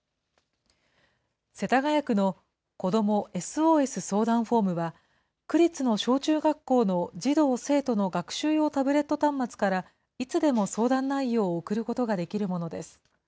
世田谷区の子どもＳＯＳ相談フォームは、区立の小中学校の児童・生徒の学習用タブレット端末からいつでも相談内容を送ることができるものです。